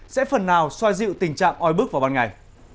sẽ phần nào xoa dịu tình trạng oi bức vào ban ngày